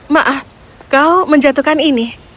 maaf kau menjatuhkan ini